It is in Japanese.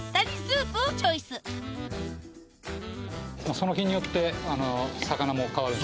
その日によって魚もかわるし。